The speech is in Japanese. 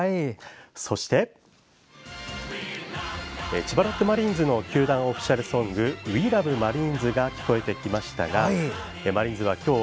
そして、千葉ロッテマリーンズの球団オフィシャルソング「ＷＥＬＯＶＥＭＡＲＩＮＥＳ」が聞こえてきましたがマリーンズは今日